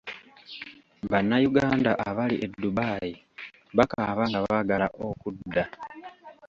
Bannayuganda abali e Dubai bakaaba nga baagala okudda.